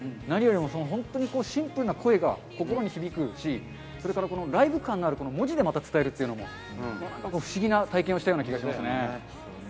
何よりも本当にシンプルな声が、心に響くし、それからこのライブ感のある文字で伝えるっていうのも、なんか不思議な体験をしたような気がしますね。